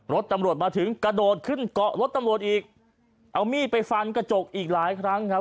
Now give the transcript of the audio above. รถตำรวจมาถึงกระโดดขึ้นเกาะรถตำรวจอีกเอามีดไปฟันกระจกอีกหลายครั้งครับ